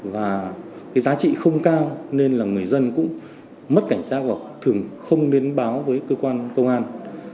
và cái giá trị không cao nên là người dân cũng mất cảnh giác và thường không nên báo với cơ quan công an